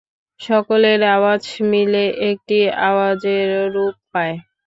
সকলের আওয়াজ মিলে একটি আওয়াজের রূপ পায়।